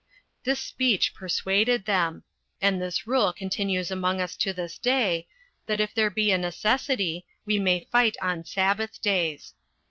This speech persuaded them. And this rule continues among us to this day, that if there be a necessity, we may fight on sabbath days.